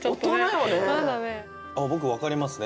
あっ僕分かりますね